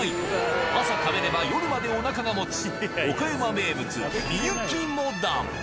朝食べれば夜までおなかがもつ、岡山名物、みゆきモダン。